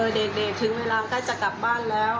เด็กถึงเวลาใกล้จะกลับบ้านแล้ว